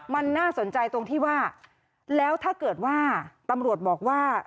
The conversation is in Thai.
มันน่าสนใจตรงที่ว่าแล้วถ้าเกิดว่าตำรวจบอกว่า